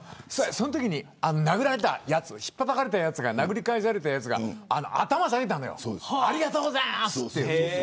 そのときに殴られたやつひっぱたかれたやつが殴り返されたやつが頭を下げたのよありがとうございますって。